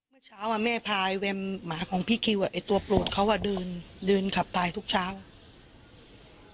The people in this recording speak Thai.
เมื่อเช้าแม่พาแวมหมาของพี่คิวตัวโปรดเขาเดินขับไปทุกช้าง